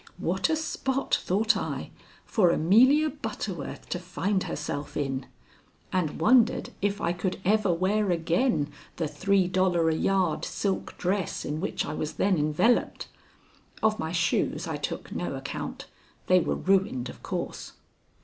"What a spot," thought I, "for Amelia Butterworth to find herself in!" and wondered if I could ever wear again the three dollar a yard silk dress in which I was then enveloped. Of my shoes I took no account. They were ruined, of course.